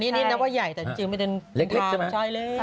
อันนี้นับว่าใหญ่แต่จริงไม่ได้ใช้เล็ก